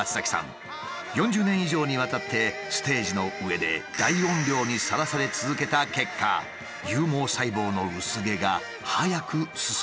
４０年以上にわたってステージの上で大音量にさらされ続けた結果有毛細胞の薄毛が早く進んでしまったのだ。